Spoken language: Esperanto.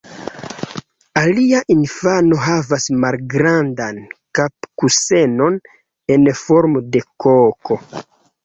Alia infano havas malgrandan kapkusenon en formo de koko.